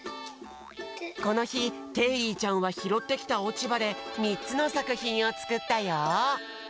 このひケイリーちゃんはひろってきたおちばでみっつのさくひんをつくったよ！